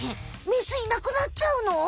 メスいなくなっちゃうの？